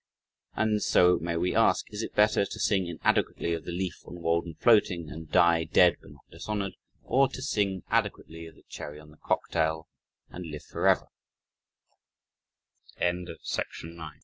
And so may we ask: Is it better to sing inadequately of the "leaf on Walden floating," and die "dead but not dishonored," or to sing adequately of the "cherry on the cocktail," and live